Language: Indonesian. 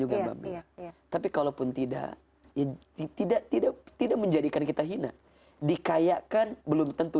juga mbak bela tapi kalaupun tidak tidak tidak menjadikan kita hina dikayakan belum tentu